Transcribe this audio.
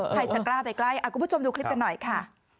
ใครจะกล้าไปใกล้คุณผู้ชมดูคลิปกันหน่อยค่ะ